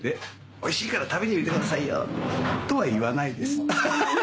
おいしいから食べてみてくださいよとは言わないです。